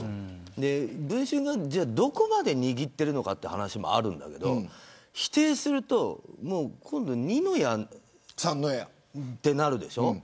文春がどこまで握っているのかという話もあるけど否定すると今度は二の矢ってなるでしょ。